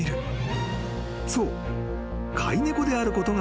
［そう］